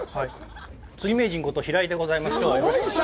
釣り名人こと、平井でございます。